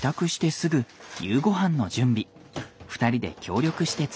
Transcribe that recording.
２人で協力して作ります。